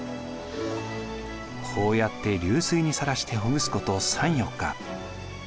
こうやって流水にさらしてほぐすこと３４日。